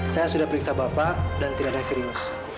saya sudah periksa bapak dan tidak ada sirius